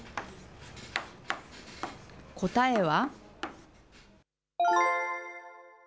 答えは。